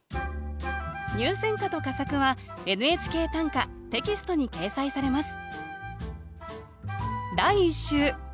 入選歌と佳作は「ＮＨＫ短歌」テキストに掲載されます